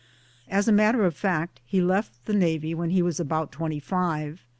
As a matter of fact he left the Navy when he was about twenty five.